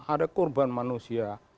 ada korban manusia